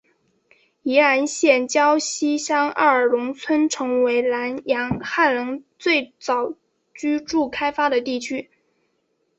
宜兰县礁溪乡二龙村成为兰阳汉人最早居住开发的地区。